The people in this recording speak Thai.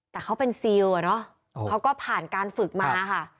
แต่เขาเป็นซีลอ่ะเนอะเขาก็ผ่านการฝึกมาค่ะ